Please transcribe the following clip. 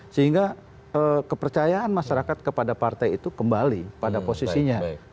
sehingga kepercayaan masyarakat kepada partai itu kembali pada posisinya